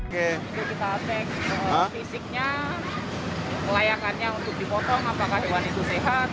itu kita cek fisiknya layakannya untuk dipotong apakah hewan itu sehat